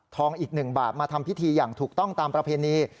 อีก๑บาทมาทำพิธีอย่างถูกต้องตามประเพณี